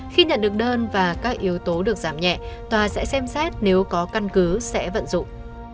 khi nhận được đơn và các yếu tố được giảm nhẹ tòa sẽ xem xét nếu có căn cứ sẽ vận dụng